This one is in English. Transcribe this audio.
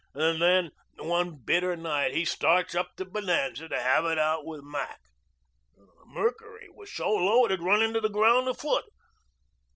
Then one bitter night he starts up to Bonanza to have it out with Mac. The mercury was so low it had run into the ground a foot.